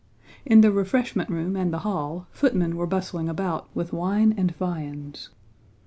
In the refreshment room and the hall, footmen were bustling about with wine and viands.